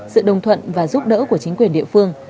sự đồng thuận và giúp đỡ của chính quyền địa phương